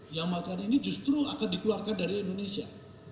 yang makan ini justru akan dikeluarkan dari indonesia